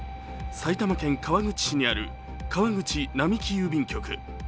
埼玉県川口市にある川口並木郵便局。